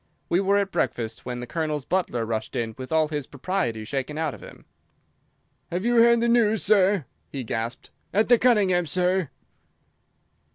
We were at breakfast when the Colonel's butler rushed in with all his propriety shaken out of him. "Have you heard the news, sir?" he gasped. "At the Cunningham's sir!"